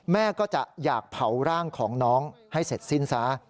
แม่ก็จะอยากเผาร่างของน้องให้เสร็จสิ้นซะ